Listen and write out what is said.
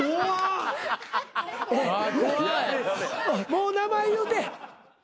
もう名前言うて。